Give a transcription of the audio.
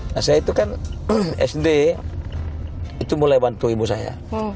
nah saya itu kan sd itu mulai bantu ibu saya